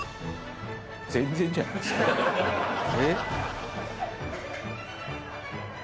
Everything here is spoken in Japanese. えっ？